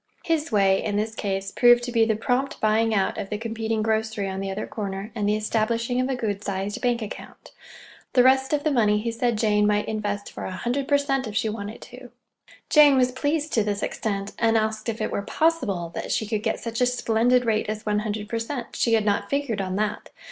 "His way" in this case proved to be the prompt buying out of the competing grocery on the other corner, and the establishing of good sized bank account. The rest of the money he said Jane might invest for a hundred per cent, if she wanted to. Jane was pleased to this extent, and asked if it were possible that she could get such a splendid rate as one hundred per cent. She had not figured on that!